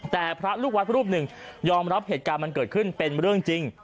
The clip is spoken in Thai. แต่พระลูกวัดพระรูปหนึ่งยอมรับเหตุการณ์มันเกิดขึ้นเป็นเรื่องจริง